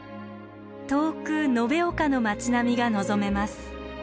遠く延岡の町並みが望めます。